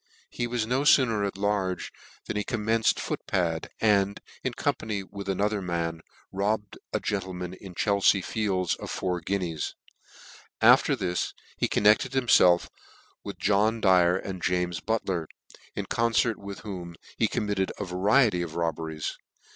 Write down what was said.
He was no fooner at large than he commenced foot pad, and, in company with another man, robbed a gentleman in Chelfea Fields of four guineas : after this he connected himfelf with John Dyer, and James Butler, in concert with whom he committed a variety of robberies.